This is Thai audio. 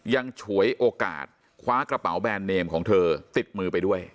ยังฉวยโอกาสคว้ากระเป๋ากระเป๋าแบนเนมของเธอติดมือไปด้วย